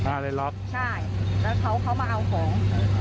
ค่าเลยล๊อคใช่แล้วเขาเข้ามาเอาของ